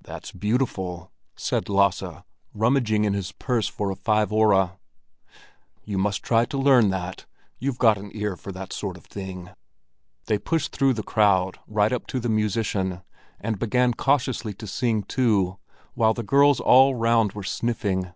"That's beautiful," said Lasse, rummaging in his purse for a five öre. "You must try to learn that; you've got an ear for that sort of thing." They pushed through the crowd right up to the musician, and began cautiously to sing too, while the girls all round were sniffing.